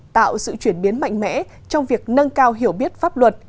tạo sự chuyển biến mạnh mẽ trong việc nâng cao hiểu biết pháp luật